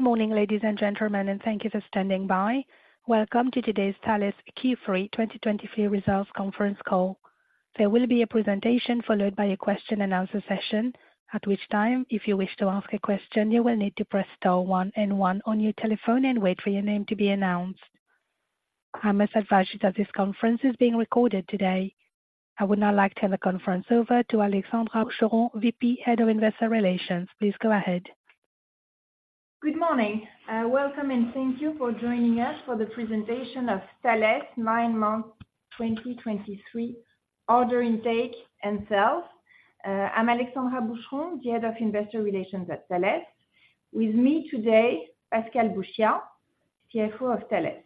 Good morning, ladies and gentlemen, and thank you for standing by. Welcome to today's Thales Q3 2023 Results Conference Call. There will be a presentation followed by a question and answer session, at which time, if you wish to ask a question, you will need to press star one and one on your telephone and wait for your name to be announced. I must advise you that this conference is being recorded today. I would now like to turn the conference over to Alexandra Boucheron, VP, Head of Investor Relations. Please go ahead. Good morning, welcome and thank you for joining us for the presentation of Thales' nine-month 2023 order intake and sales. I'm Alexandra Boucheron, the Head of Investor Relations at Thales. With me today, Pascal Bouchiat, CFO of Thales.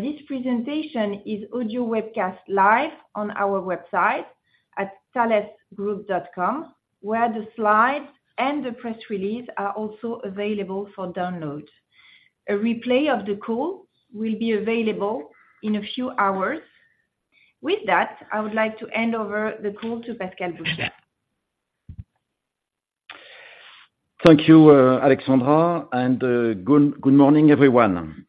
This presentation is audio webcast live on our website at thalesgroup.com, where the slides and the press release are also available for download. A replay of the call will be available in a few hours. With that, I would like to hand over the call to Pascal Bouchiat. Thank you, Alexandra, and good morning, everyone.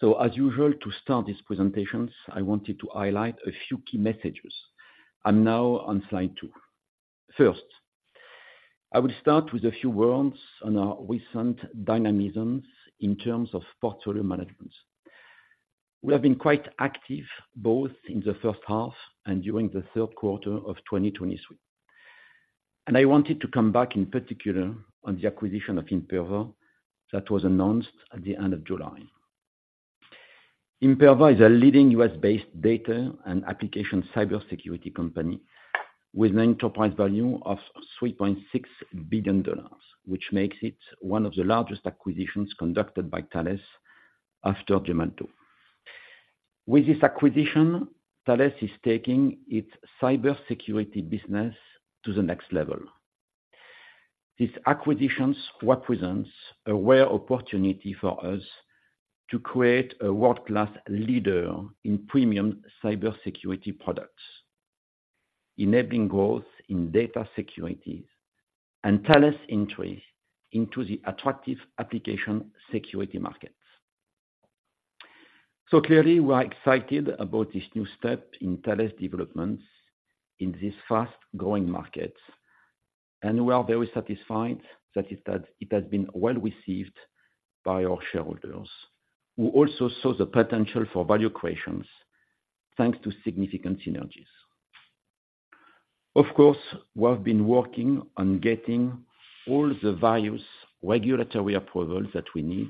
So as usual, to start these presentations, I wanted to highlight a few key messages. I'm now on slide two. First, I will start with a few words on our recent dynamisms in terms of portfolio management. We have been quite active, both in the first half and during the third quarter of 2023, and I wanted to come back in particular on the acquisition of Imperva that was announced at the end of July. Imperva is a leading U.S.-based data and application cybersecurity company with an enterprise value of $3.6 billion, which makes it one of the largest acquisitions conducted by Thales after Gemalto. With this acquisition, Thales is taking its cybersecurity business to the next level. These acquisitions represent a rare opportunity for us to create a world-class leader in premium cybersecurity products, enabling growth in data security and Thales' entry into the attractive application security markets. So clearly, we are excited about this new step in Thales' development in this fast-growing market, and we are very satisfied that it has been well received by our shareholders, who also saw the potential for value creation, thanks to significant synergies. Of course, we have been working on getting all the various regulatory approvals that we need,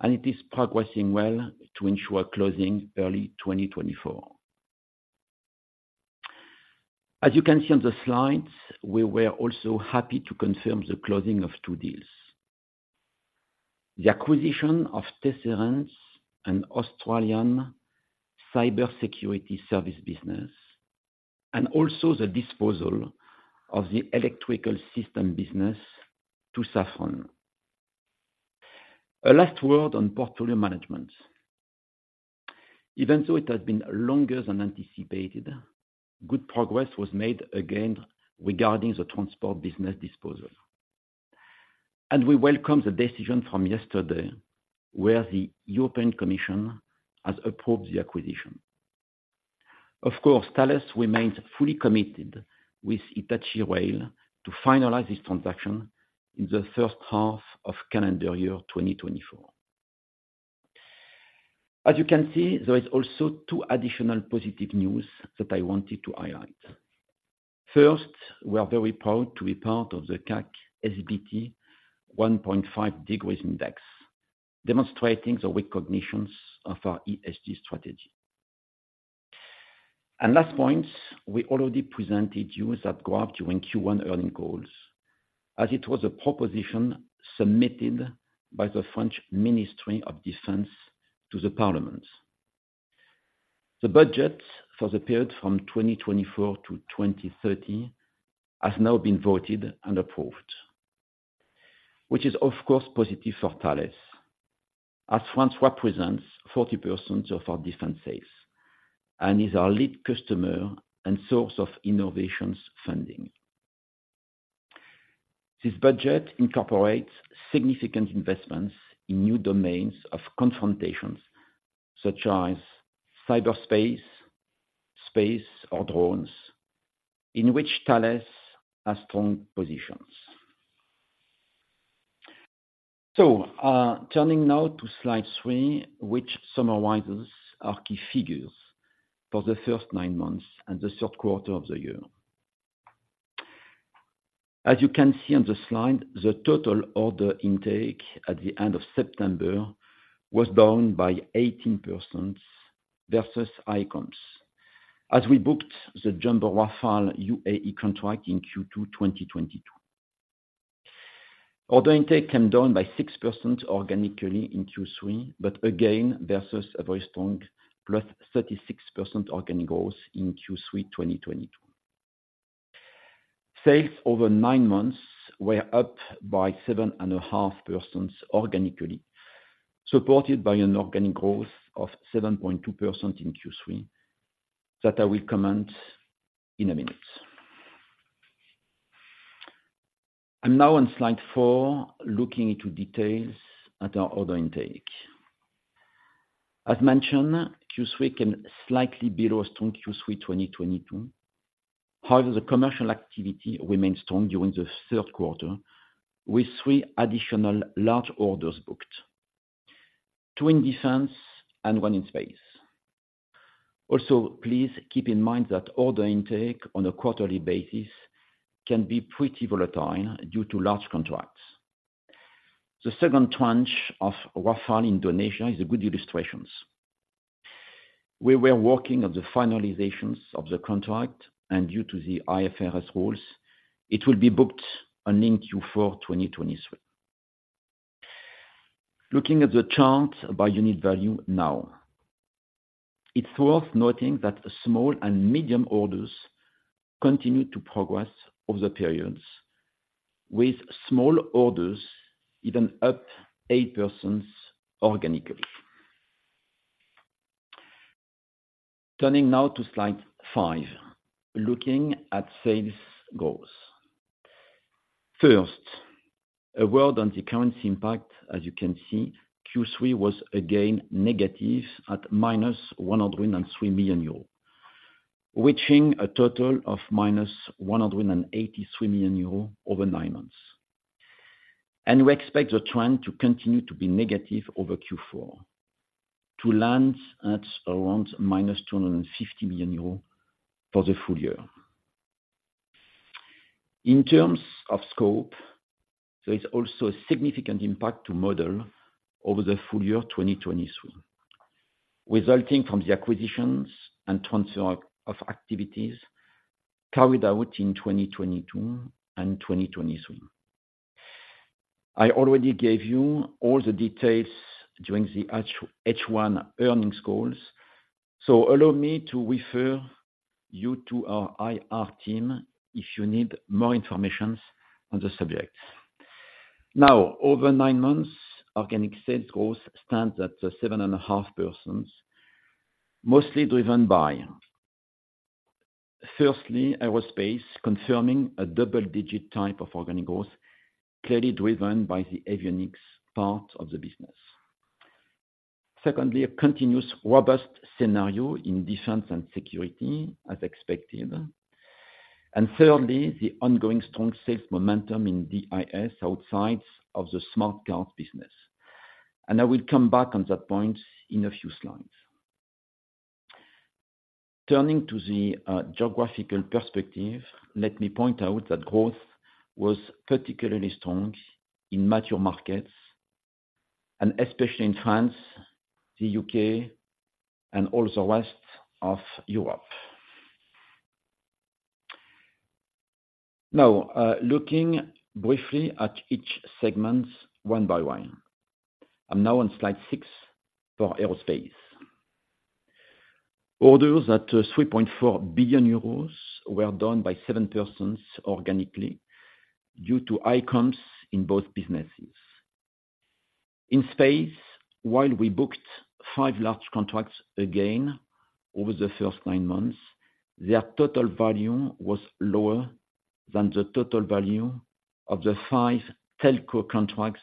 and it is progressing well to ensure closing early 2024. As you can see on the slides, we were also happy to confirm the closing of two deals: the acquisition of Tesserent, an Australian cybersecurity service business, and also the disposal of the electrical system business to Safran. A last word on portfolio management. Even though it has been longer than anticipated, good progress was made again regarding the transport business disposal, and we welcome the decision from yesterday, where the European Commission has approved the acquisition. Of course, Thales remains fully committed with Hitachi Rail to finalize this transaction in the first half of calendar year 2024. As you can see, there is also two additional positive news that I wanted to highlight. First, we are very proud to be part of the CAC SBT 1.5 Degrees Index, demonstrating the recognition of our ESG strategy. Last point, we already presented you that graph during Q1 earnings calls, as it was a proposition submitted by the French Ministry of Defense to the Parliament. The budget for the period from 2024 to 2030 has now been voted and approved, which is, of course, positive for Thales, as France represents 40% of our defense base and is our lead customer and source of innovations funding. This budget incorporates significant investments in new domains of confrontations such as cyberspace, space or drones, in which Thales has strong positions. So, turning now to slide three, which summarizes our key figures for the first nine months and the third quarter of the year. As you can see on the slide, the total order intake at the end of September was down by 18% versus Q3 2022, as we booked the Jumbo Rafale UAE contract in Q2 2022. Order intake came down by 6% organically in Q3, but again, versus a very strong +36% organic growth in Q3 2022. Sales over nine months were up by 7.5% organically, supported by an organic growth of 7.2% in Q3 that I will comment on in a minute. I'm now on slide four, looking into details at our order intake. As mentioned, Q3 came slightly below strong Q3 2022. However, the commercial activity remained strong during the third quarter, with three additional large orders booked, two in defense and one in space. Also, please keep in mind that order intake on a quarterly basis can be pretty volatile due to large contracts. The second tranche of Rafale in Indonesia is a good illustration. We were working on the finalization of the contract, and due to the IFRS rules, it will be booked only in Q4 2023. Looking at the chart by unit value now, it's worth noting that small and medium orders continue to progress over the periods, with small orders even up 8% organically. Turning now to slide five, looking at sales growth. First, a word on the currency impact, as you can see, Q3 was again negative at -103 million euros, reaching a total of -183 million euros over nine months. We expect the trend to continue to be negative over Q4, to land at around -250 million euros for the full year. In terms of scope, there is also a significant impact to model over the full year 2023, resulting from the acquisitions and transfer of activities carried out in 2022 and 2023. I already gave you all the details during the H1 earnings calls, so allow me to refer you to our IR team if you need more information on the subject. Now, over nine months, organic sales growth stands at 7.5%, mostly driven by, firstly, aerospace, confirming a double-digit type of organic growth, clearly driven by the avionics part of the business. Secondly, a continuous robust scenario in defense and security as expected. And thirdly, the ongoing strong sales momentum in DIS outside of the smart cards business, and I will come back on that point in a few slides. Turning to the geographical perspective, let me point out that growth was particularly strong in mature markets, and especially in France, the U.K., and all the rest of Europe. Now, looking briefly at each segment, one by one. I'm now on slide six for aerospace. Orders at 3.4 billion euros were down by 7% organically due to high comps in both businesses. In space, while we booked five large contracts again over the first nine months, their total volume was lower than the total volume of the five telco contracts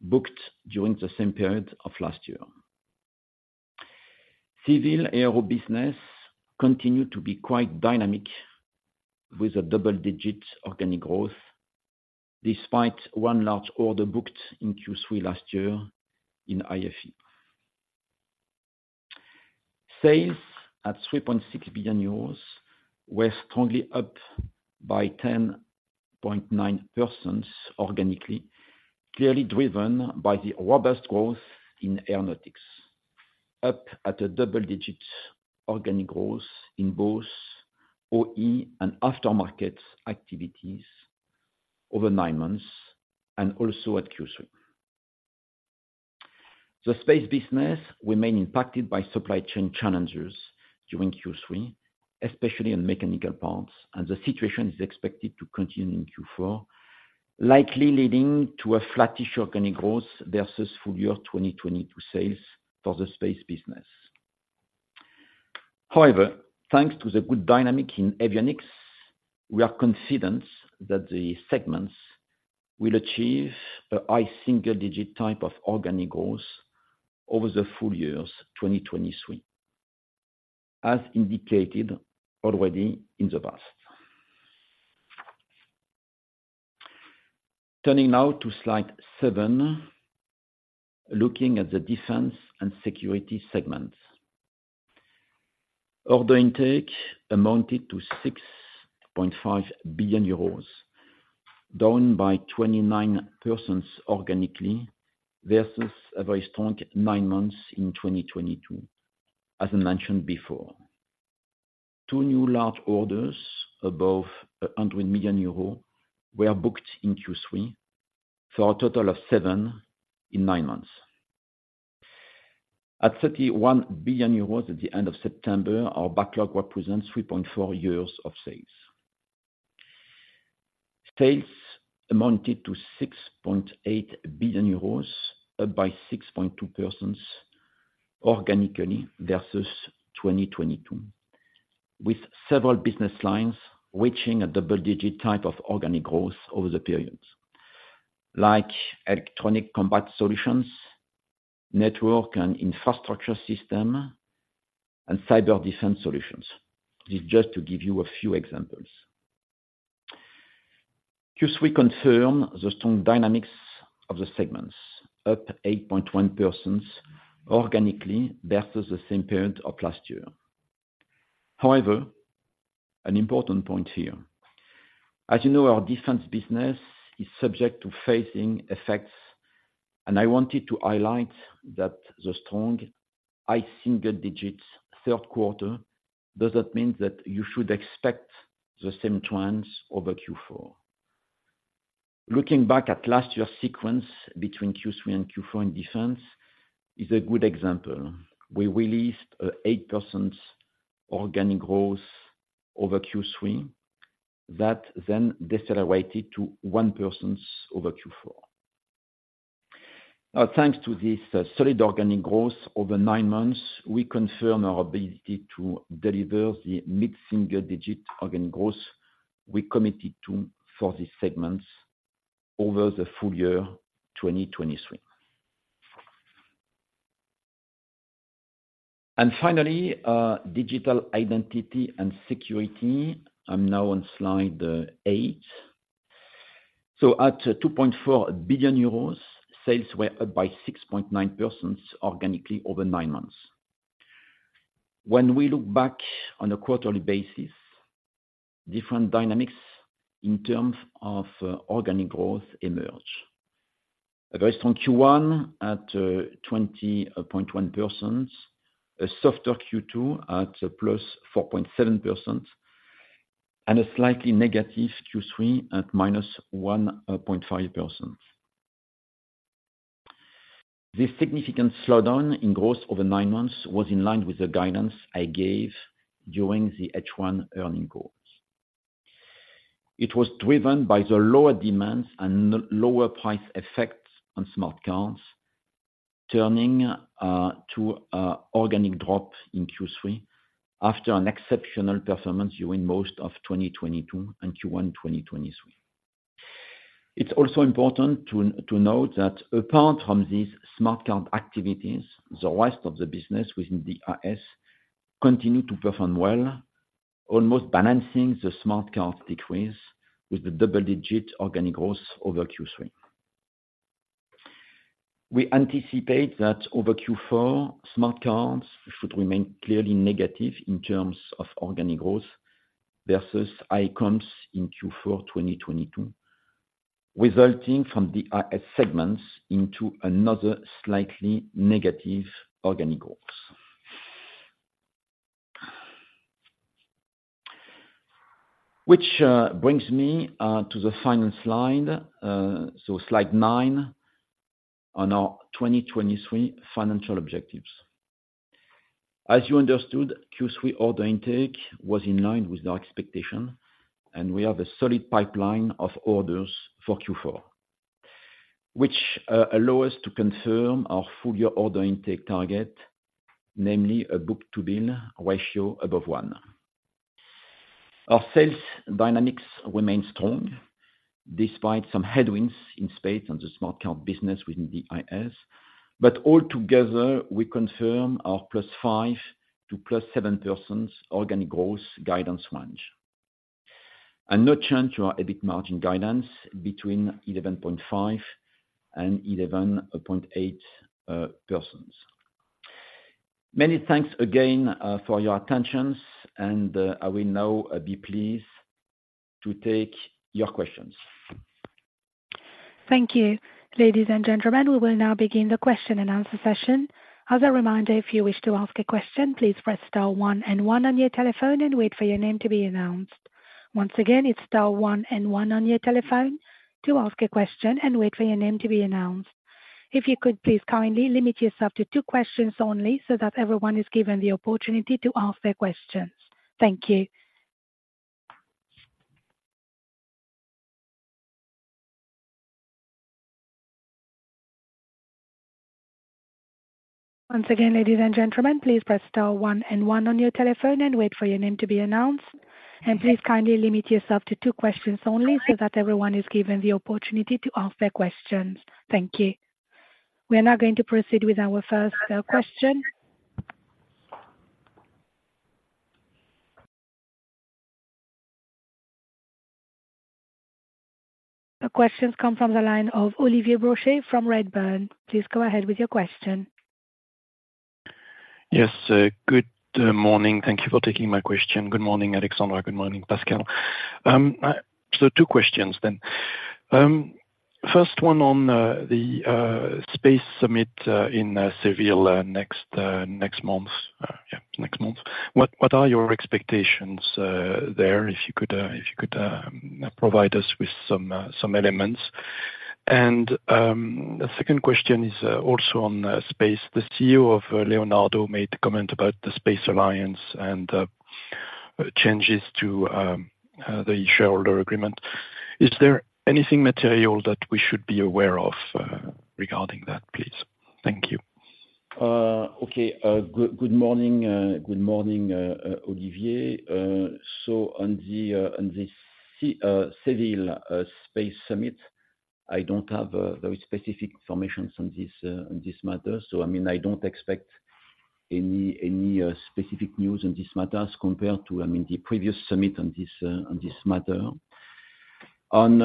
booked during the same period of last year. Civil aero business continued to be quite dynamic, with a double-digit organic growth, despite one large order booked in Q3 last year in IFE. Sales at 3.6 billion euros were strongly up by 10.9% organically, clearly driven by the robust growth in aeronautics, up at a double-digit organic growth in both OE and aftermarket activities over nine months and also at Q3. The space business remain impacted by supply chain challenges during Q3, especially in mechanical parts, and the situation is expected to continue in Q4, likely leading to a flattish organic growth versus full year 2022 sales for the space business. However, thanks to the good dynamic in avionics, we are confident that the segments will achieve a high single digit type of organic growth over the full years 2023, as indicated already in the past. Turning now to slide seven, looking at the defense and security segments. Order intake amounted to 6.5 billion euros, down by 29% organically versus a very strong nine months in 2022, as I mentioned before. Two new large orders, above 100 million euros, were booked in Q3, for a total of seven in nine months. At 31 billion euros at the end of September, our backlog represents 3.4 years of sales.... Sales amounted to 6.8 billion euros, up by 6.2% organically versus 2022, with several business lines reaching a double-digit type of organic growth over the period, like electronic combat solutions, network and infrastructure system, and cyber defense solutions. This is just to give you a few examples. Q3 confirms the strong dynamics of the segments, up 8.1% organically versus the same period of last year. However, an important point here, as you know, our defense business is subject to phasing effects, and I wanted to highlight that the strong, high single digits third quarter, does not mean that you should expect the same trends over Q4. Looking back at last year's sequence between Q3 and Q4 in defense is a good example. We released 8% organic growth over Q3. That then decelerated to 1% over Q4. Thanks to this solid organic growth over nine months, we confirm our ability to deliver the mid-single digit organic growth we committed to for these segments over the full year 2023. And finally, digital identity and security. I'm now on slide eight. So at 2.4 billion euros, sales were up by 6.9%, organically over nine months. When we look back on a quarterly basis, different dynamics in terms of organic growth emerge. A very strong Q1 at 20.1%, a softer Q2 at +4.7%, and a slightly negative Q3 at -1.5%. This significant slowdown in growth over nine months was in line with the guidance I gave during the H1 earnings calls. It was driven by the lower demands and lower price effects on smart cards, turning to a organic drop in Q3 after an exceptional performance during most of 2022 and Q1 2023. It's also important to note that apart from these smart card activities, the rest of the business within the DIS continue to perform well, almost balancing the smart card decrease with the double-digit organic growth over Q3. We anticipate that over Q4, smart cards should remain clearly negative in terms of organic growth versus high comps in Q4 2022, resulting from the DIS segments into another slightly negative organic growth. Which brings me to the final slide. So slide nine on our 2023 financial objectives. As you understood, Q3 order intake was in line with our expectation, and we have a solid pipeline of orders for Q4, which allow us to confirm our full year order intake target, namely a book-to-bill ratio above one. Our sales dynamics remain strong, despite some headwinds in space on the smart card business within the DIS. But all together, we confirm our +5% to +7% organic growth guidance range, and no change to our EBIT margin guidance between 11.5% and 11.8%. Many thanks again for your attentions, and I will now be pleased to take your questions. Thank you. Ladies and gentlemen, we will now begin the question and answer session. As a reminder, if you wish to ask a question, please press star one and one on your telephone and wait for your name to be announced. Once again, it's star one and one on your telephone to ask a question and wait for your name to be announced. If you could please kindly limit yourself to two questions only, so that everyone is given the opportunity to ask their questions. Thank you. Once again, ladies and gentlemen, please press star one and one on your telephone and wait for your name to be announced, and please kindly limit yourself to two questions only, so that everyone is given the opportunity to ask their questions. Thank you. We are now going to proceed with our first question. The questions come from the line of Olivier Brochet from Redburn. Please go ahead with your question. Yes, good morning. Thank you for taking my question. Good morning, Alexandra. Good morning, Pascal. So two questions then. First one on the space summit in Seville next month. Yeah, next month. What are your expectations there, if you could provide us with some elements? And the second question is also on space. The CEO of Leonardo made the comment about the Space Alliance and changes to the shareholder agreement. Is there anything material that we should be aware of regarding that, please? Thank you. Okay. Good morning. Good morning, Olivier. So on the Seville space summit, I don't have very specific information on this matter, so I mean, I don't expect any specific news on this matter as compared to, I mean, the previous summit on this matter. On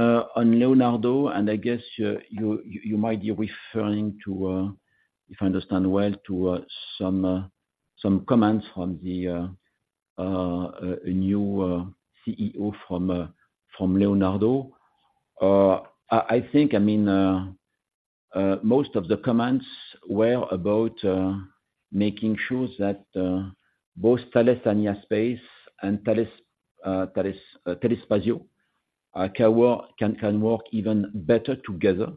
Leonardo, and I guess you might be referring to, if I understand well, to some comments from a new CEO from Leonardo. I think, I mean, most of the comments were about making sure that both Thales Alenia Space and Telespazio can work even better together.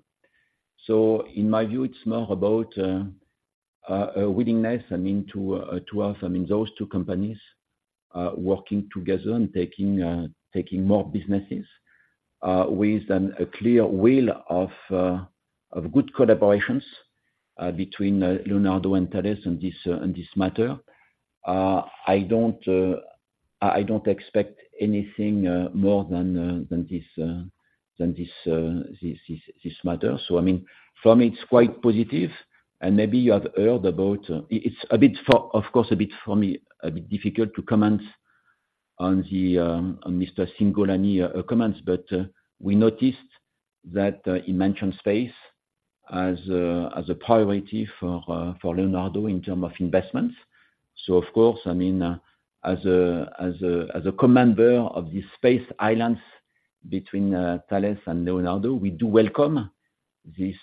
So in my view, it's more about a willingness, I mean, to have, I mean, those two companies working together and taking more businesses with a clear will of good collaborations between Leonardo and Thales on this matter. I don't, I don't expect anything more than this matter. So, I mean, for me, it's quite positive, and maybe you have heard about... It's a bit far, of course, a bit, for me, a bit difficult to comment on the on Mr. Cingolani comments, but we noticed that he mentioned space as a priority for Leonardo in terms of investments. So of course, I mean, as a commander of the Space Alliance between Thales and Leonardo, we do welcome this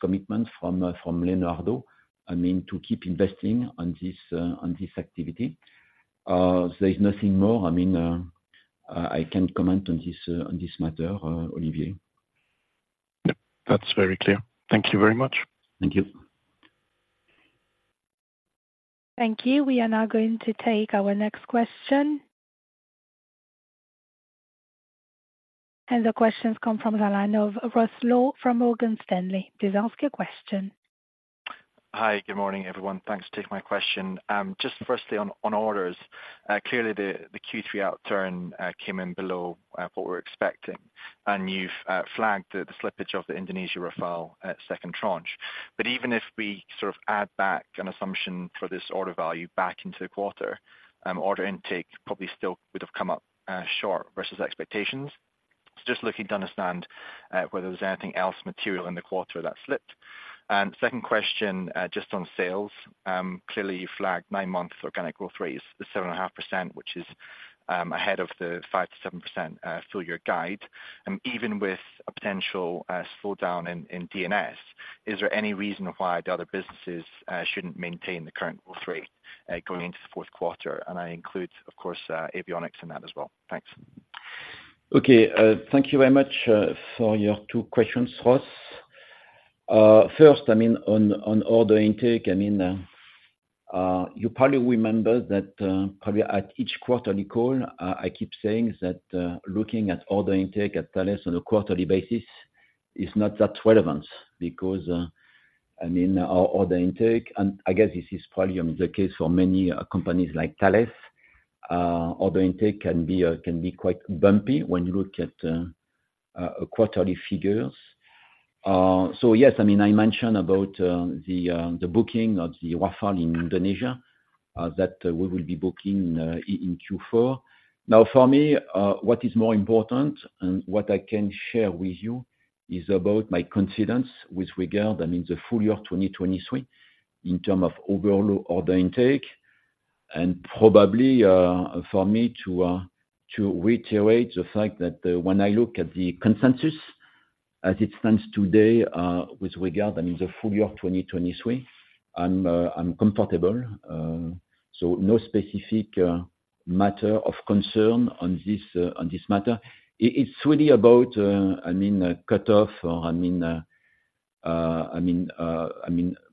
commitment from Leonardo, I mean, to keep investing on this activity. There is nothing more, I mean, I can comment on this matter, Olivier. Yep. That's very clear. Thank you very much. Thank you. Thank you. We are now going to take our next question. The question comes from the line of Ross Law from Morgan Stanley. Please ask your question. Hi. Good morning, everyone. Thanks for taking my question. Just firstly, on orders, clearly the Q3 outturn came in below what we're expecting, and you've flagged the slippage of the Indonesia Rafale second tranche. But even if we sort of add back an assumption for this order value back into the quarter, order intake probably still would have come up short versus expectations. So just looking to understand whether there's anything else material in the quarter that slipped. And second question, just on sales. Clearly you flagged nine months organic growth rates, the 7.5%, which is ahead of the 5%-7% full-year guide. Even with a potential slowdown in DNS, is there any reason why the other businesses shouldn't maintain the current growth rate going into the fourth quarter? I include, of course, avionics in that as well. Thanks. Okay. Thank you very much for your two questions, Ross. First, I mean, on order intake, I mean, you probably remember that, probably at each quarterly call, I keep saying is that, looking at order intake at Thales on a quarterly basis is not that relevant because, I mean, our order intake, and I guess this is probably the case for many companies like Thales, order intake can be, can be quite bumpy when you look at quarterly figures. So yes, I mean, I mentioned about the booking of the Rafale in Indonesia, that we will be booking in Q4. Now, for me, what is more important, and what I can share with you, is about my confidence with regard, I mean, the full year 2023, in term of overall order intake, and probably, for me to, to reiterate the fact that, when I look at the consensus, as it stands today, with regard, I mean, the full year of 2023, I'm comfortable. So no specific matter of concern on this, on this matter. It's really about, I mean, a cutoff or, I mean,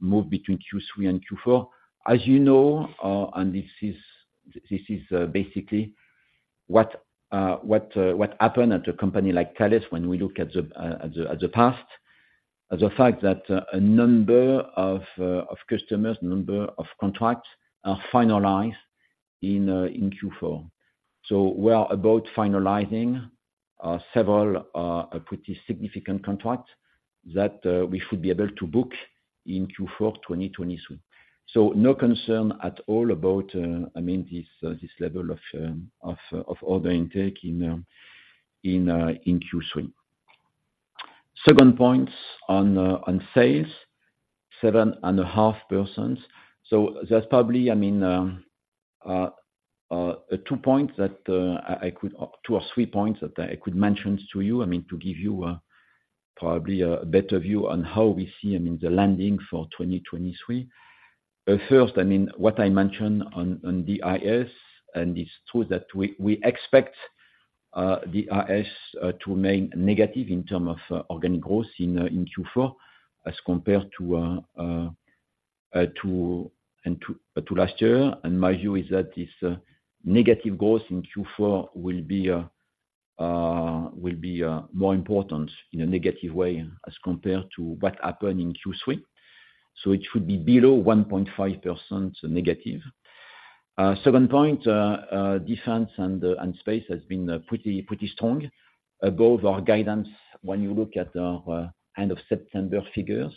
move between Q3 and Q4. As you know, and this is basically what happened at a company like Thales when we look at the past, the fact that a number of customers, number of contracts are finalized in Q4. So we are about finalizing several pretty significant contracts that we should be able to book in Q4 2023. So no concern at all about, I mean, this level of order intake in Q3. Second points on sales, 7.5 persons. So that's probably, I mean, two points that I could... Two or three points that I could mention to you. I mean, to give you probably a better view on how we see, I mean, the landing for 2023. First, I mean, what I mentioned on the DIS, and it's true that we expect the DIS to remain negative in terms of organic growth in Q4, as compared to last year. And my view is that this negative growth in Q4 will be more important in a negative way as compared to what happened in Q3. So it should be below 1.5% negative. Second point, defense and space has been pretty strong. Above our guidance when you look at the end of September figures,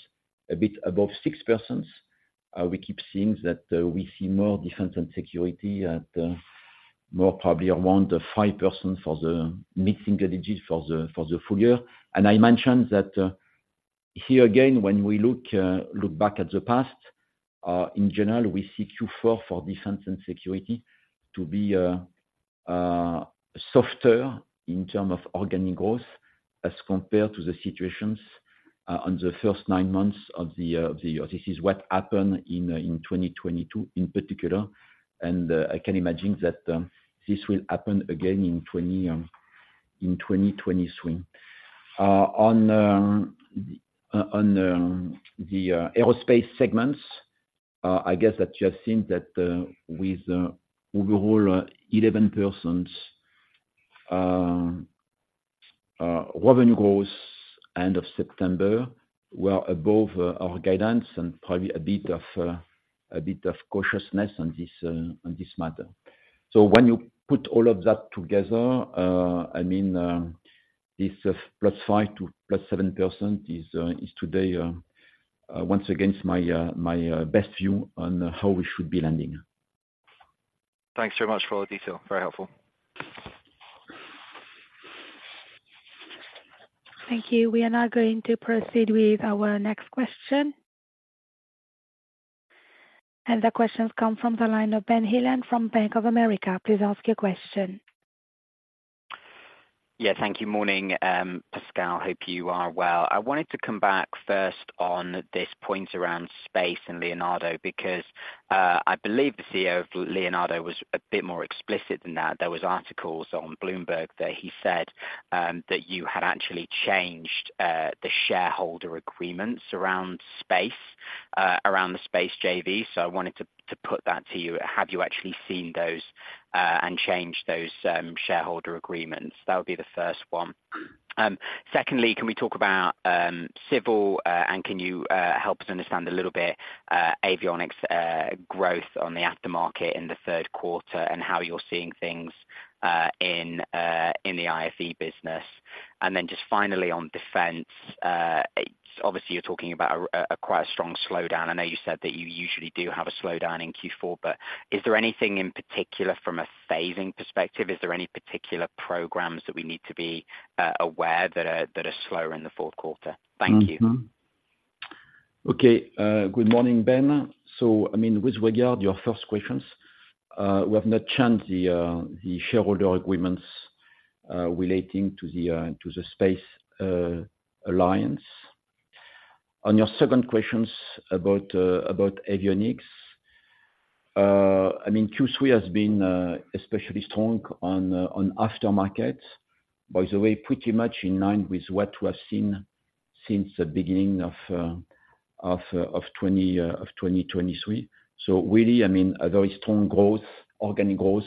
a bit above 6%. We keep seeing that, we see more defense and security at, more probably around 5% for the mixing energies for the full year. And I mentioned that, here again, when we look back at the past, in general, we see Q4 for defense and security to be softer in terms of organic growth, as compared to the situations on the first nine months of the year. This is what happened in 2022, in particular. And I can imagine that this will happen again in 2023. On the aerospace segments, I guess that you have seen that, with overall 11% revenue growth end of September, we are above our guidance and probably a bit of cautiousness on this matter. So when you put all of that together, I mean, this +5%-+7% is today once again my best view on how we should be landing. Thanks very much for all the detail. Very helpful. Thank you. We are now going to proceed with our next question. The question come from the line of Ben Heelan from Bank of America. Please ask your question. Yeah. Thank you. Morning, Pascal. Hope you are well. I wanted to come back first on this point around space and Leonardo because I believe the CEO of Leonardo was a bit more explicit than that. There was articles on Bloomberg that he said that you had actually changed the shareholder agreements around space around the space JV, so I wanted to put that to you. Have you actually seen those and changed those shareholder agreements? That would be the first one. Secondly, can we talk about civil, and can you help us understand a little bit avionics growth on the aftermarket in the third quarter, and how you're seeing things in the IFE business? And then just finally on defense, it's obviously you're talking about a quite strong slowdown. I know you said that you usually do have a slowdown in Q4, but is there anything in particular from a saving perspective? Is there any particular programs that we need to be aware that are slower in the fourth quarter? Thank you. Mm-hmm. Okay. Good morning, Ben. So, I mean, with regard your first questions, we have not changed the shareholder agreements relating to the space alliance. On your second questions about avionics, I mean, Q3 has been especially strong on aftermarket. By the way, pretty much in line with what we have seen since the beginning of 2023. So really, I mean, a very strong growth, organic growth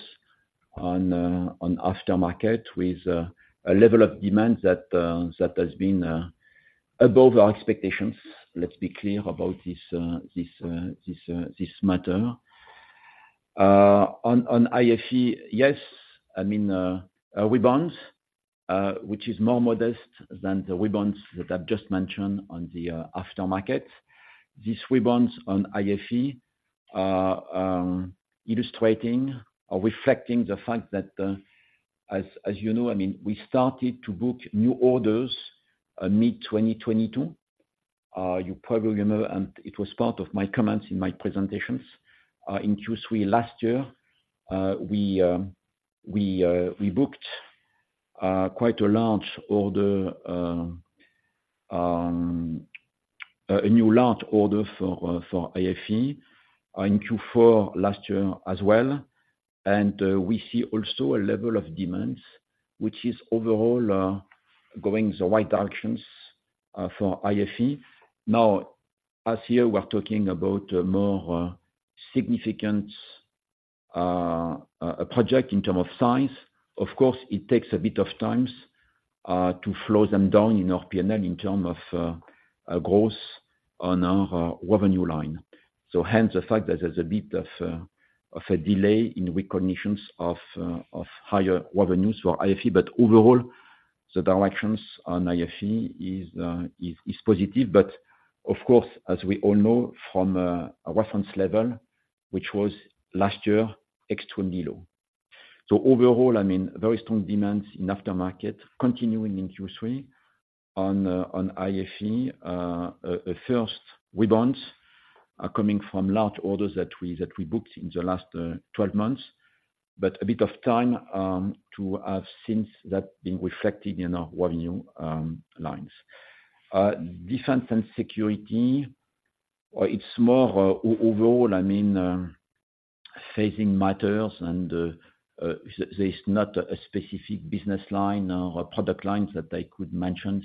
on aftermarket with a level of demand that has been above our expectations. Let's be clear about this matter. On IFE, yes, I mean, we bounce, which is more modest than the rebounds that I've just mentioned on the aftermarket. These rebounds on IFE are, illustrating or reflecting the fact that, as you know, I mean, we started to book new orders, mid-2022. You probably remember, and it was part of my comments in my presentations, in Q3 last year, we booked, quite a large order, a new large order for, for IFE, in Q4 last year as well. And, we see also a level of demands, which is overall, going the right directions, for IFE. Now, as here we're talking about a more, significant, a project in term of size. Of course, it takes a bit of times, to flow them down in our P&L, in term of, a growth on our revenue line. So hence, the fact that there's a bit of a delay in recognition of higher revenues for IFE. But overall, the direction on IFE is positive. But of course, as we all know from a reference level, which was last year, extremely low. So overall, I mean, very strong demand in aftermarket, continuing in Q3 on IFE. The first rebounds are coming from large orders that we booked in the last 12 months... but a bit of time to have since that been reflected in our revenue lines. Defense and security, it's more overall, I mean, facing matters and there's not a specific business line or product lines that I could mention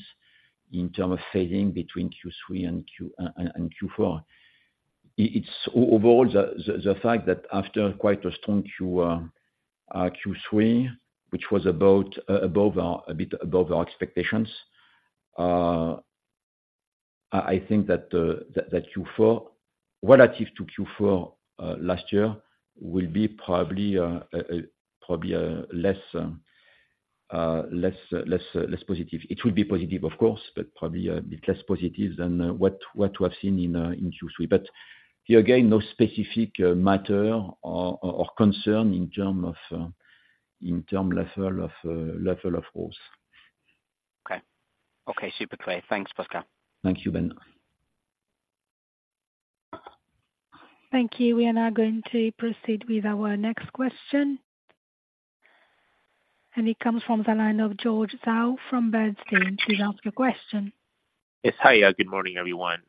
in terms of fading between Q3 and Q4. It's overall the fact that after quite a strong Q3, which was about a bit above our expectations, I think that Q4, relative to Q4 last year, will be probably less positive. It will be positive of course, but probably bit less positive than what we have seen in Q3. But again, no specific matter or concern in terms of level of growth. Okay. Okay, super clear. Thanks, Pascal. Thank you, Ben. Thank you. We are now going to proceed with our next question, and it comes from the line of George Zhao from Bernstein. Please ask your question. Yes. Hi, good morning, everyone.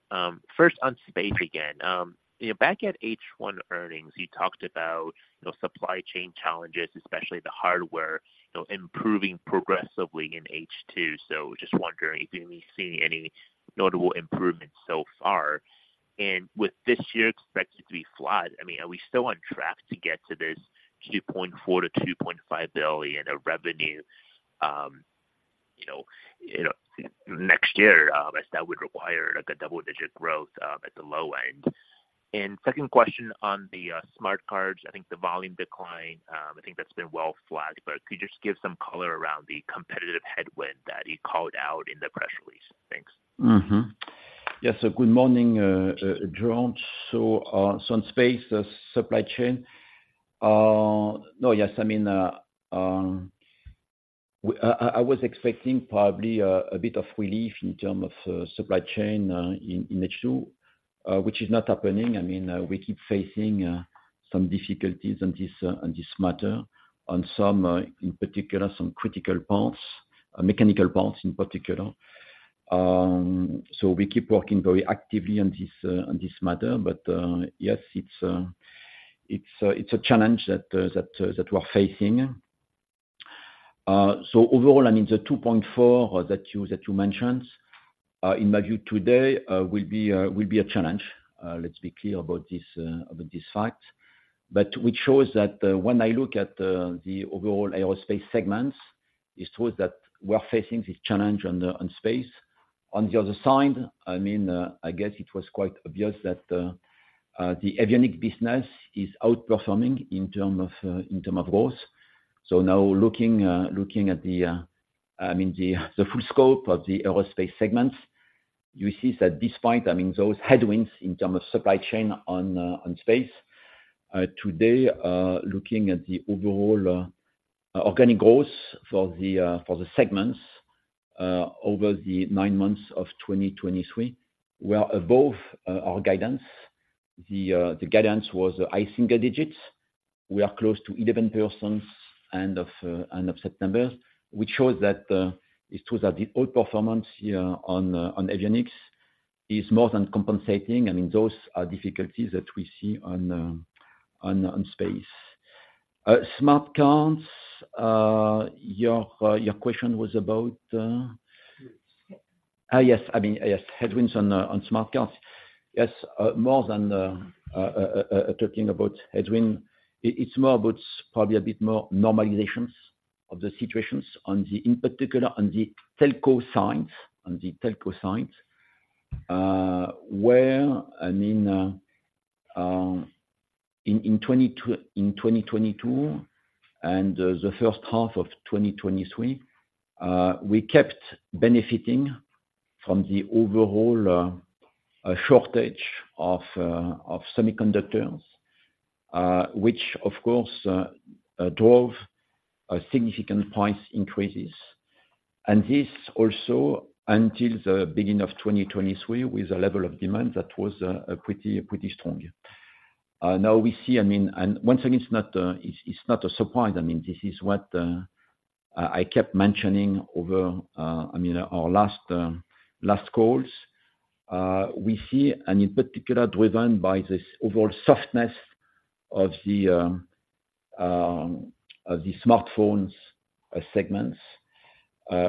First, on space again, you know, back at H1 earnings, you talked about, you know, supply chain challenges, especially the hardware, you know, improving progressively in H2. So just wondering if you'd be seeing any notable improvements so far? And with this year expected to be flat, I mean, are we still on track to get to this 2.4 billion-2.5 billion of revenue, you know, you know, next year, as that would require, like, a double-digit growth, at the low end. And second question on the, smart cards, I think the volume decline, I think that's been well flagged, but could you just give some color around the competitive headwind that you called out in the press release? Thanks. Mm-hmm. Yes, so good morning, George. So, so on space, the supply chain, no, yes, I mean, I was expecting probably a bit of relief in terms of supply chain in H2, which is not happening. I mean, we keep facing some difficulties on this, on this matter, on some, in particular, some critical parts, mechanical parts in particular. So we keep working very actively on this, on this matter, but yes, it's a challenge that we're facing. So overall, I mean, the 2.4 that you mentioned, in my view today, will be a challenge. Let's be clear about this fact. But which shows that, when I look at, the overall aerospace segments, it shows that we're facing this challenge on the, on space. On the other side, I mean, I guess it was quite obvious that, the avionics business is outperforming in terms of, in terms of growth. So now looking, looking at the, I mean, the, the full scope of the aerospace segments, you see that despite, I mean, those headwinds in terms of supply chain on, on space, today, looking at the overall, organic growth for the, for the segments, over the nine months of 2023, we are above, our guidance. The, the guidance was high single digits. We are close to 11% end of September, which shows that it's true that the outperformance on avionics is more than compensating. I mean, those are difficulties that we see on space. Smart cards, your question was about- Ah, yes. I mean, yes, headwinds on smart cards. Yes, more than talking about headwind, it's more about probably a bit more normalizations of the situations on the—in particular, on the telco side, on the telco side. Where, I mean, in 2022 and the first half of 2023, we kept benefiting from the overall shortage of semiconductors, which of course drove a significant price increases. And this also until the beginning of 2023, with a level of demand that was pretty, pretty strong. Now we see, I mean—and once again, it's not, it's not a surprise. I mean, this is what I kept mentioning over, I mean, our last calls. We see, and in particular, driven by this overall softness of the smartphones segments,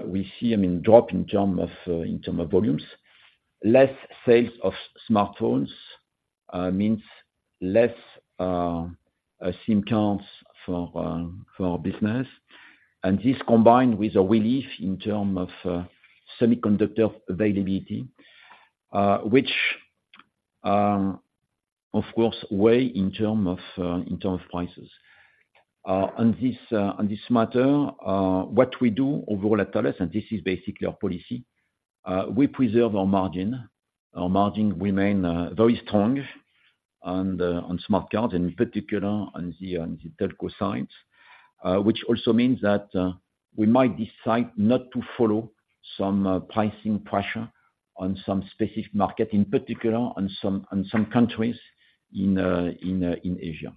we see, I mean, drop in terms of volumes. Less sales of smartphones means less SIM cards for our business, and this combined with a relief in terms of semiconductor availability, which, of course, weigh in terms of prices. On this matter, what we do overall at Thales, and this is basically our policy, we preserve our margin. Our margin remain very strong on the smart cards, in particular on the telco side. Which also means that we might decide not to follow some pricing pressure. On some specific market, in particular on some countries in Asia.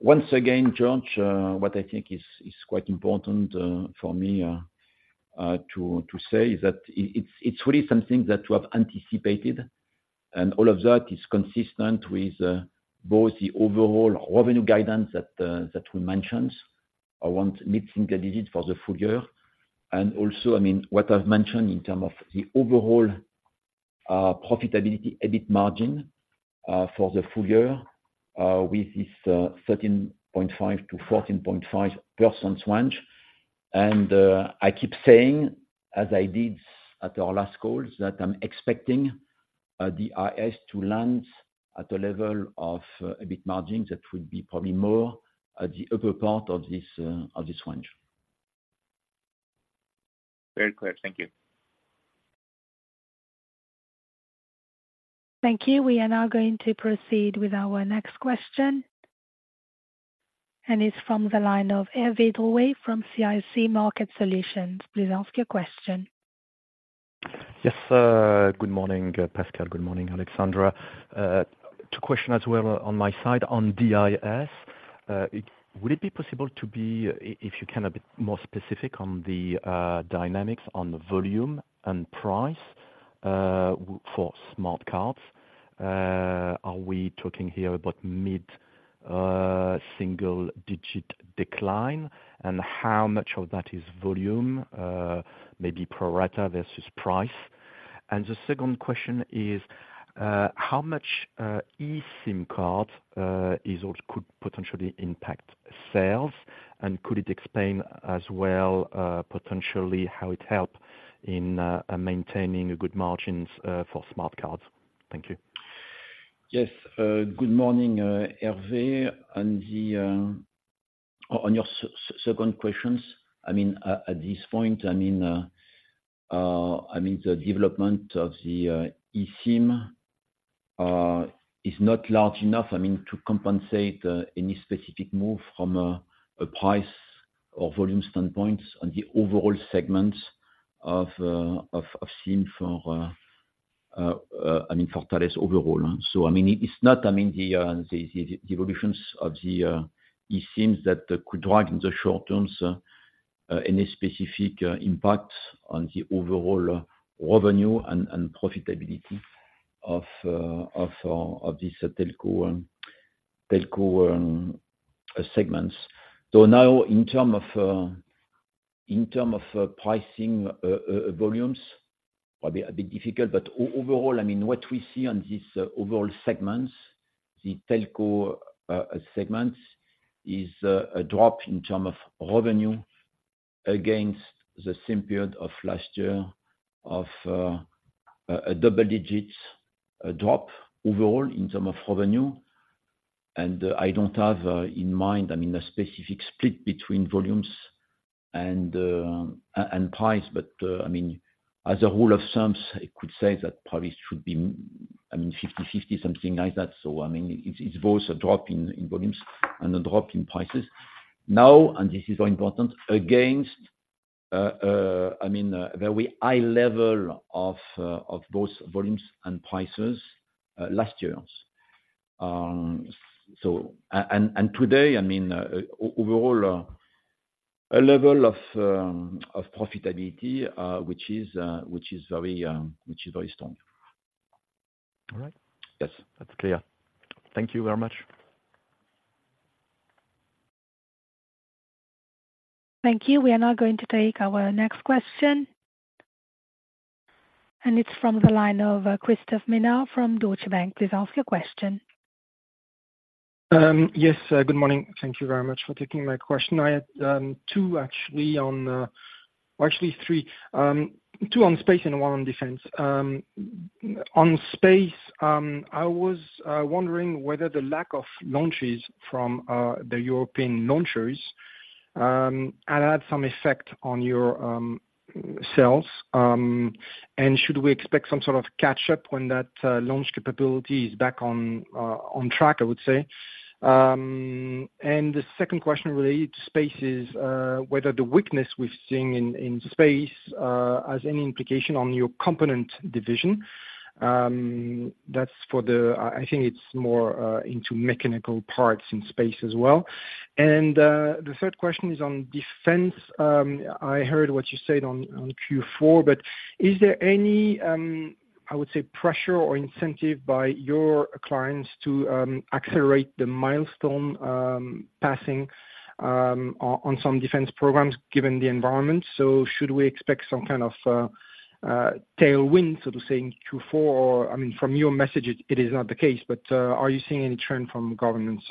Once again, George, what I think is quite important for me to say is that it's really something that we have anticipated, and all of that is consistent with both the overall revenue guidance that we mentioned, around mid-single digit for the full year. And also, I mean, what I've mentioned in term of the overall profitability EBIT margin for the full year with this 13.5%-14.5% range. And I keep saying, as I did at our last calls, that I'm expecting the DIS to land at a level of EBIT margin that would be probably more at the upper part of this range. Very clear. Thank you. Thank you. We are now going to proceed with our next question, and it's from the line of Hervé Drouet from CIC Market Solutions. Please ask your question. Yes, good morning, Pascal. Good morning, Alexandra. Two questions as well on my side on DIS. Would it be possible, if you can, a bit more specific on the dynamics on the volume and price for smart cards? Are we talking here about mid single digit decline, and how much of that is volume, maybe pro rata versus price? And the second question is, how much eSIM card is or could potentially impact sales? And could it explain as well, potentially how it help in maintaining good margins for smart cards? Thank you. Yes, good morning, Hervé. On your second questions, I mean, at this point, I mean, the development of the eSIM is not large enough, I mean, to compensate any specific move from a price or volume standpoint on the overall segments of SIM for Thales overall, huh? So, I mean, it's not the evolutions of the eSIM that could drive in the short terms any specific impact on the overall revenue and profitability of this telco segments. So now, in terms of pricing, volumes will be a bit difficult, but overall, I mean, what we see in this overall segments, the telco segments, is a drop in terms of revenue against the same period of last year of a double-digit drop overall in terms of revenue. And I don't have in mind, I mean, a specific split between volumes and and price, but I mean, as a rule of thumb, I could say that probably should be, I mean, 50/50, something like that. So, I mean, it's both a drop in volumes and a drop in prices. Now, and this is more important, against very high level of both volumes and prices last year. So, and today, I mean, overall, a level of profitability, which is very strong. All right. Yes, that's clear. Thank you very much. Thank you. We are now going to take our next question, and it's from the line of, Christophe Menard from Deutsche Bank. Please ask your question. Yes, good morning. Thank you very much for taking my question. I had two actually on, well, actually three. Two on space and one on defense. On space, I was wondering whether the lack of launches from the European launchers had had some effect on your sales. And should we expect some sort of catch up when that launch capability is back on track, I would say? And the second question related to space is whether the weakness we're seeing in space has any implication on your component division? That's for the... I think it's more into mechanical parts in space as well. And the third question is on defense. I heard what you said on Q4, but is there any, I would say, pressure or incentive by your clients to accelerate the milestone passing on some defense programs, given the environment? So should we expect some kind of tailwind, so to say, in Q4? I mean, from your message, it is not the case, but are you seeing any trend from governments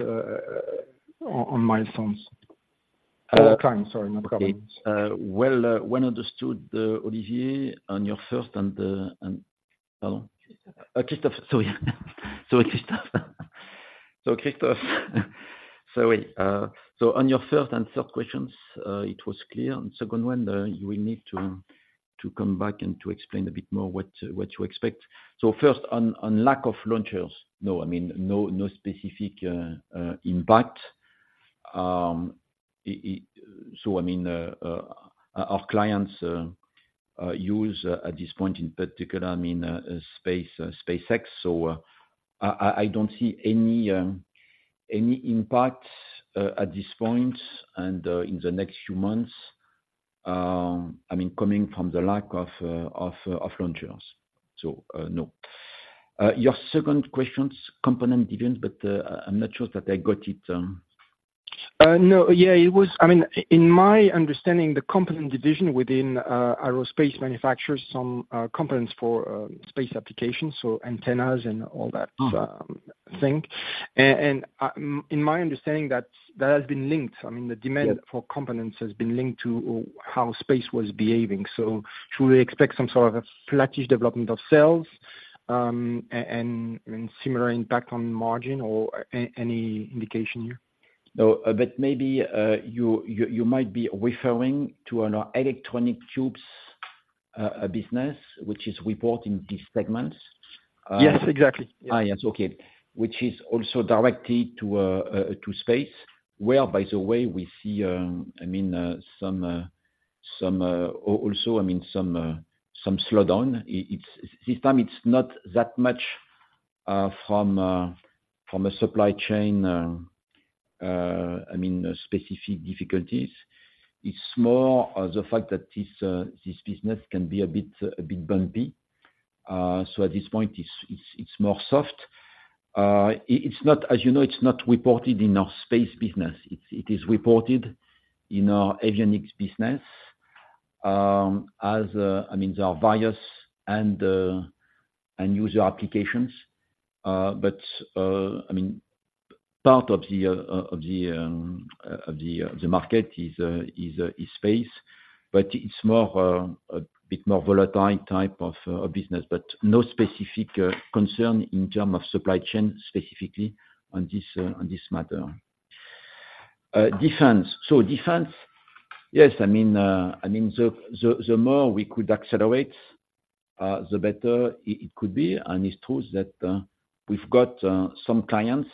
on milestones? Clients, sorry, not governments. Well understood, Olivier, on your first and hello? Christophe. Christophe, sorry. Sorry, Christophe. Sorry. So on your first and third questions, it was clear. On second one, you will need to come back and to explain a bit more what you expect. So first, on lack of launches, no, I mean, no specific impact. So I mean, our clients use at this point in particular, I mean, SpaceX. So, I don't see any impact at this point, and in the next few months, I mean, coming from the lack of launchers. So, no. Your second question, component division, but I'm not sure that I got it. No. Yeah, it was—I mean, in my understanding, the component division within aerospace manufacturers, some components for space applications, so antennas and all that- Mm-hmm. thing. And in my understanding, that has been linked. I mean, the demand- Yeah for components has been linked to how space was behaving. So should we expect some sort of a flatish development of sales, and similar impact on margin or any indication here? No, but maybe you might be referring to our electronic tubes business, which is reporting these segments. Yes, exactly. Ah, yes. Okay. Which is also directly to space, where, by the way, we see, I mean, some also, I mean, some slowdown. It's this time it's not that much from a supply chain, I mean, specific difficulties. It's more of the fact that this business can be a bit, a bit bumpy. So at this point, it's more soft. It's not, as you know, it's not reported in our space business. It is reported in our avionics business, I mean, there are various end-user applications. But, I mean, part of the market is space, but it's more a bit more volatile type of business, but no specific concern in term of supply chain, specifically on this matter. Defense. So defense, yes, I mean, I mean, the more we could accelerate the better it could be, and it's true that we've got some clients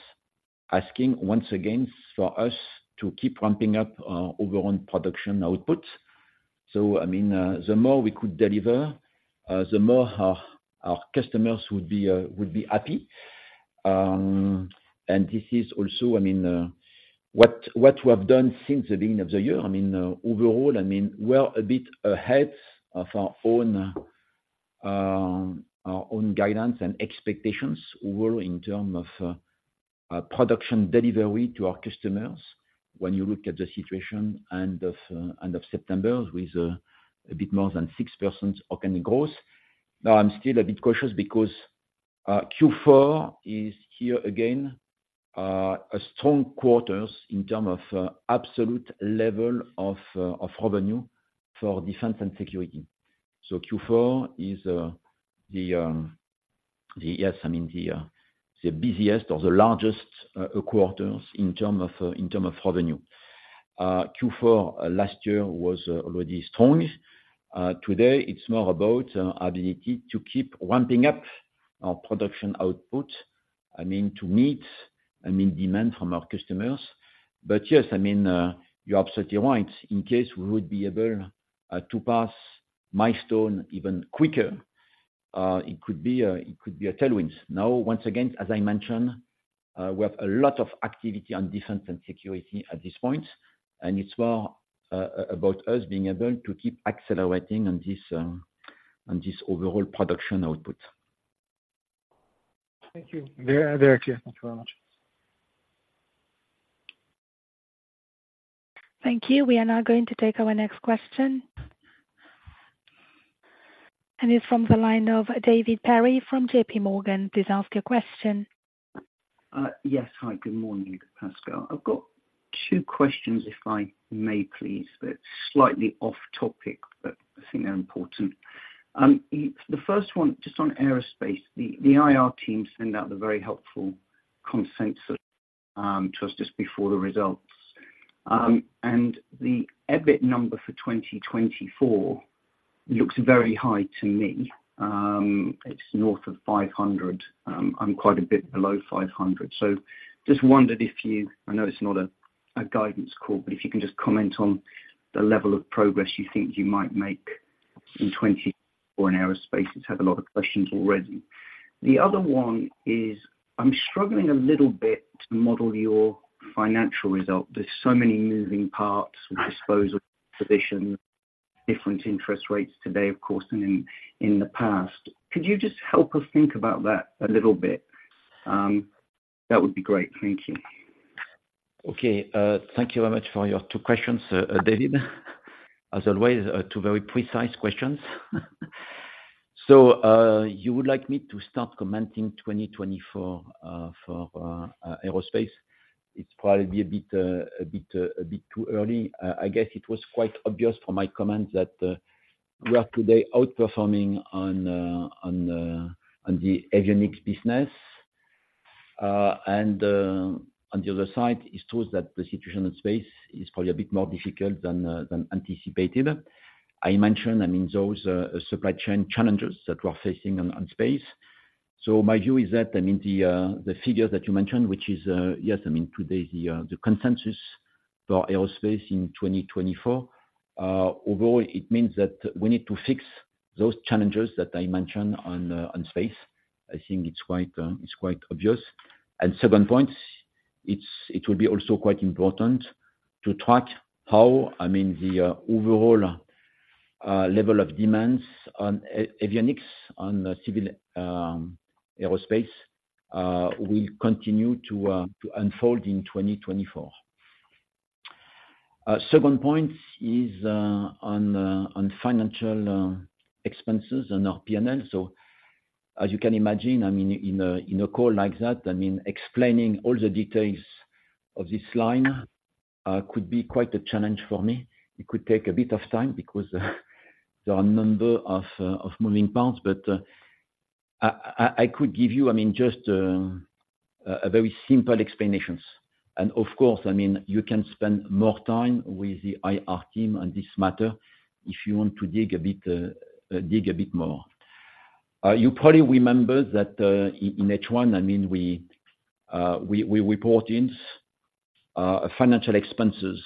asking once again for us to keep ramping up overall production output. So, I mean, the more we could deliver the more our customers would be happy. And this is also, I mean, what we have done since the beginning of the year. I mean, overall, I mean, we're a bit ahead of our own, our own guidance and expectations overall, in terms of production delivery to our customers when you look at the situation end of end of September with a bit more than 6% organic growth. Now, I'm still a bit cautious because Q4 is here again, a strong quarter in terms of absolute level of revenue for defense and security. So Q4 is the busiest or the largest quarter in terms of revenue. Q4 last year was already strong. Today it's more about ability to keep ramping up our production output, I mean, to meet demand from our customers. But yes, I mean, you're absolutely right. In case we would be able to pass milestone even quicker, it could be a, it could be a tailwind. Now, once again, as I mentioned, we have a lot of activity on defense and security at this point, and it's more about us being able to keep accelerating on this, on this overall production output. Thank you. Very, very clear. Thank you very much. Thank you. We are now going to take our next question. It's from the line of David Perry from JPMorgan. Please ask your question. Yes. Hi, good morning, Pascal. I've got two questions, if I may please, but slightly off topic, but I think they're important. The first one, just on aerospace. The IR team send out the very helpful consensus to us just before the results. And the EBIT number for 2024 looks very high to me. It's north of 500. I'm quite a bit below 500. So just wondered if you... I know it's not a guidance call, but if you can just comment on the level of progress you think you might make in 2024 in aerospace. I have a lot of questions already. The other one is, I'm struggling a little bit to model your financial result. There's so many moving parts with disposal positions, different interest rates today, of course, than in the past. Could you just help us think about that a little bit? That would be great. Thank you. Okay. Thank you very much for your two questions, David. As always, two very precise questions. So, you would like me to start commenting 2024 for aerospace? It's probably a bit too early. I guess it was quite obvious from my comments that we are today outperforming on the avionics business. On the other side, it's true that the situation in space is probably a bit more difficult than anticipated. I mentioned, I mean, those supply chain challenges that we're facing on space.... So my view is that, I mean, the figure that you mentioned, which is, yes, I mean, today the consensus for aerospace in 2024, overall it means that we need to fix those challenges that I mentioned on, on space. I think it's quite, it's quite obvious. And second point, it's- it will be also quite important to track how, I mean, the overall level of demands on a- avionics, on civil, aerospace, will continue to, to unfold in 2024. Second point is, on, on financial, expenses on our P&L. So as you can imagine, I mean, in a, in a call like that, I mean, explaining all the details of this line, could be quite a challenge for me. It could take a bit of time because there are a number of moving parts. But I could give you, I mean, just a very simple explanations. And of course, I mean, you can spend more time with the IR team on this matter if you want to dig a bit, dig a bit more. You probably remember that in H1, I mean, we report in a financial expenses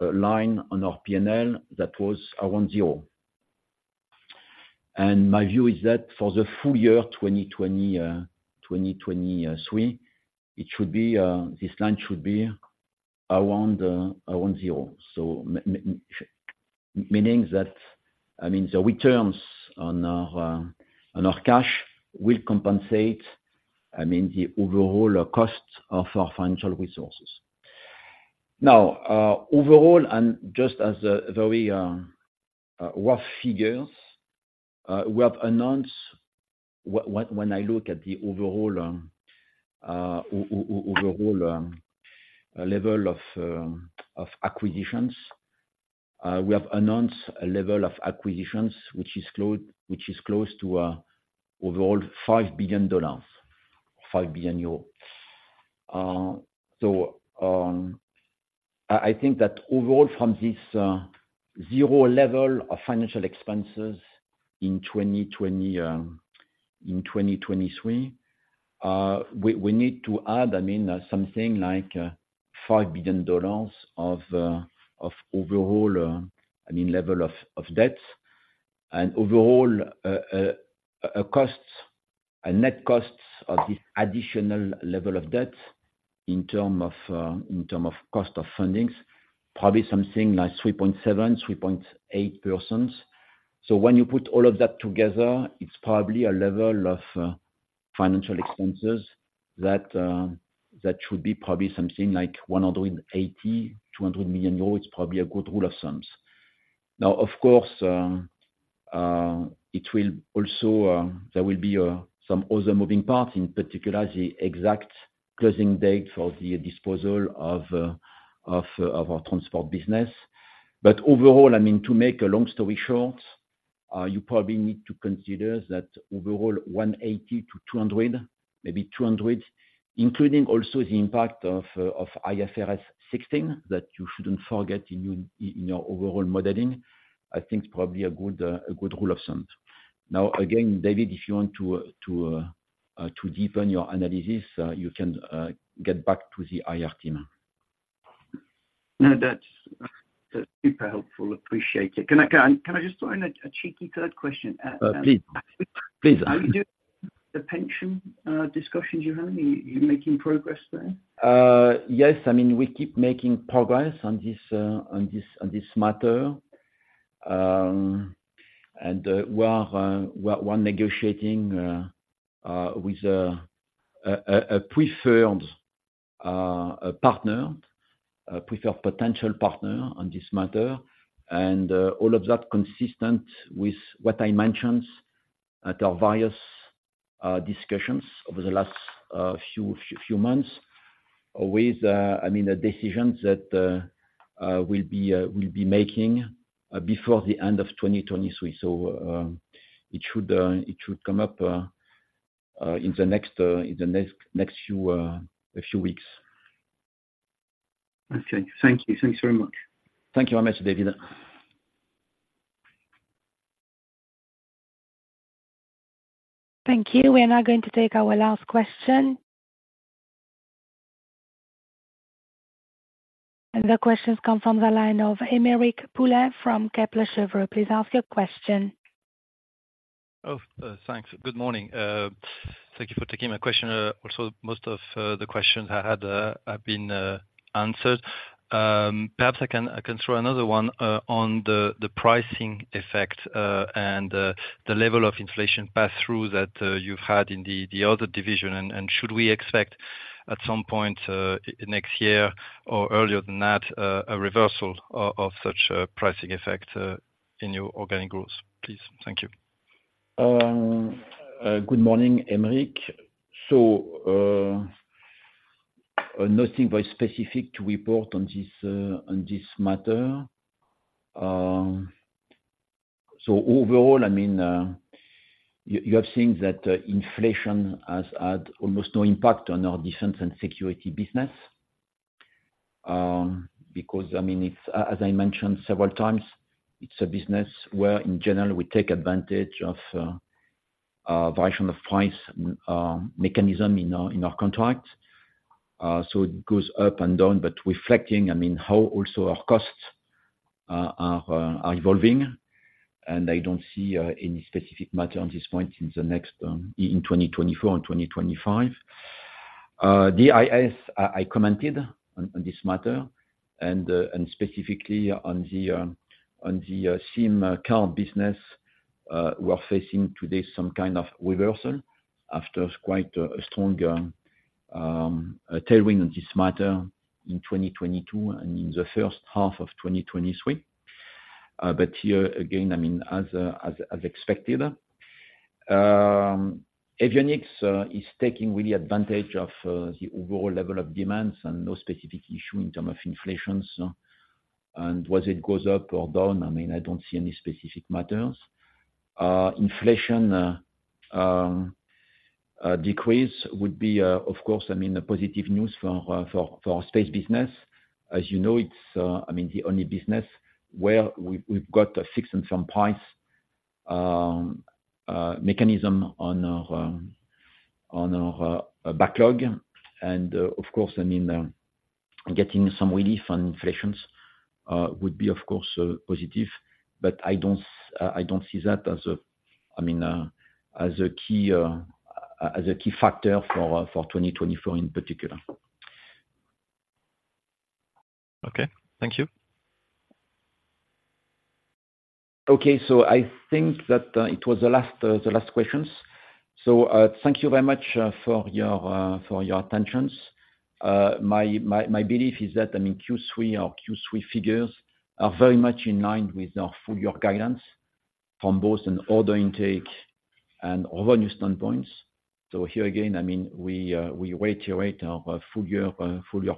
line on our P&L that was around zero. And my view is that for the full year, 2023, it should be this line should be around around zero. So meaning that, I mean, the returns on our cash will compensate, I mean, the overall cost of our financial resources. Now, overall, and just as a very rough figures, we have announced a level of acquisitions which is close, which is close to overall $5 billion, EUR 5 billion. So, I think that overall, from this zero level of financial expenses in 2020, in 2023, we need to add, I mean, something like $5 billion of overall, I mean, level of debts. And overall, a net cost of the additional level of debt in terms of, in terms of cost of funding, probably something like 3.7%-3.8%. So when you put all of that together, it's probably a level of financial expenses that should be probably something like 180-200 million euros, it's probably a good rule of thumb. Now, of course, it will also... There will be some other moving parts, in particular, the exact closing date for the disposal of our transport business. But overall, I mean, to make a long story short, you probably need to consider that overall 180-200 million, maybe 200 million, including also the impact of IFRS 16, that you shouldn't forget in your overall modeling. I think it's probably a good rule of thumb. Now, again, David, if you want to deepen your analysis, you can get back to the IR team. No, that's super helpful. Appreciate it. Can I just throw in a cheeky third question? Please. Please. How are you doing with the pension discussions? You making progress there? Yes. I mean, we keep making progress on this matter. And we are negotiating with a preferred potential partner on this matter. And all of that consistent with what I mentioned at our various discussions over the last few months. With, I mean, the decisions that we'll be making before the end of 2023. So, it should come up in the next few weeks. Okay. Thank you. Thanks very much. Thank you very much, David. Thank you. We are now going to take our last question. The questions come from the line of Aymeric Poulain from Kepler Cheuvreux. Please ask your question. Oh, thanks. Good morning. Thank you for taking my question. Also, most of the questions I had have been answered. Perhaps I can throw another one on the pricing effect and the level of inflation pass-through that you've had in the other division. And should we expect, at some point, next year or earlier than that, a reversal of such a pricing effect in your organic growth, please? Thank you. Good morning, Aymeric. So, nothing very specific to report on this, on this matter. So overall, I mean, you, you have seen that, inflation has had almost no impact on our defense and security business. Because, I mean, it's, as I mentioned several times, it's a business where, in general, we take advantage of, variation of price, mechanism in our, in our contract. So it goes up and down, but reflecting, I mean, how also our costs, are, are evolving, and I don't see, any specific matter on this point in the next, in 2024 and 2025. The issue, I commented on this matter, and specifically on the SIM card business, we are facing today some kind of reversal after quite a strong tailwind on this matter in 2022 and in the first half of 2023. But here again, I mean, as expected. Avionics is taking really advantage of the overall level of demands and no specific issue in term of inflations. And whether it goes up or down, I mean, I don't see any specific matters. Inflation decrease would be, of course, I mean, a positive news for our space business. As you know, it's, I mean, the only business where we've got a fixed and firm price mechanism on our backlog. And, of course, I mean, getting some relief on inflation would be, of course, positive, but I don't see that as a, I mean, as a key factor for 2024 in particular. Okay. Thank you. Okay. So I think that it was the last, the last questions. So, thank you very much for your attention. My belief is that, I mean, Q3, our Q3 figures are very much in line with our full year guidance from both an order intake and overall new standpoints. So here again, I mean, we reiterate our full year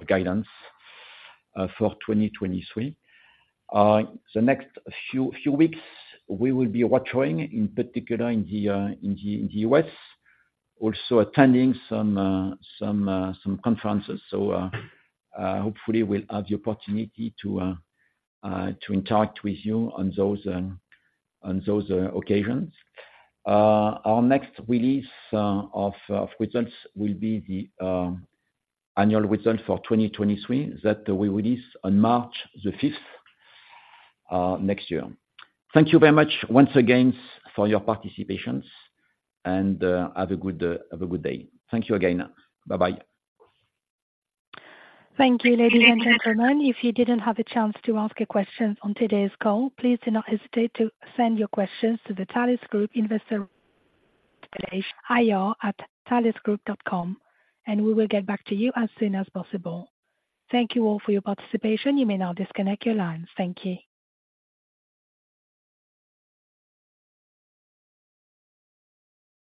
guidance for 2023. The next few weeks, we will be watching, in particular, in the U.S., also attending some conferences. So, hopefully, we'll have the opportunity to interact with you on those occasions. Our next release of results will be the annual result for 2023, that we release on March 5th next year. Thank you very much once again for your participations, and have a good day. Thank you again. Bye-bye. Thank you, ladies and gentlemen. If you didn't have a chance to ask a question on today's call, please do not hesitate to send your questions to the Thales Group Investor ir@thalesgroup.com, and we will get back to you as soon as possible. Thank you all for your participation. You may now disconnect your lines. Thank you.